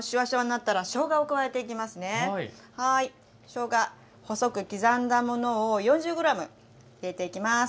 しょうが細く刻んだものを４０ｇ入れていきます。